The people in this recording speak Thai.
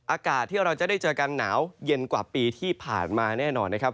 อากาศที่เราจะได้เจอกันหนาวเย็นกว่าปีที่ผ่านมาแน่นอนนะครับ